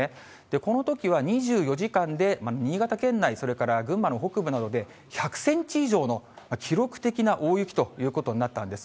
このときは２４時間で新潟県内、それから群馬の北部などで、１００センチ以上の記録的な大雪ということになったんです。